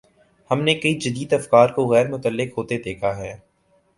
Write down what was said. ہم نے کئی جدید افکار کو غیر متعلق ہوتے دیکھا ہے۔